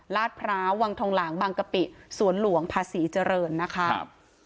ลาศพระวังทองหลังบังกะปิสวนหลวงพระศรีเจริญนะคะ